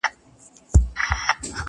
دا نامرده چي په ځان داسي غره دی،